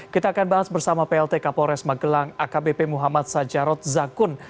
kita akan bahas bersama plt kapolres magelang akbp muhammad sajarot zakun